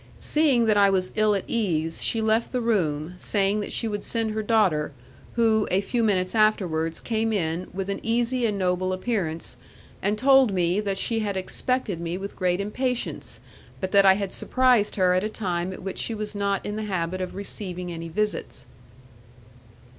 Seeing that I was ill at ease, she left the room, saying that she would send her daughter, who, a few minutes afterwards, came in with an easy and noble appearance, and told me that she had expected me with great impatience, but that I had surprised her at a time at which she was not in the habit of receiving any visits.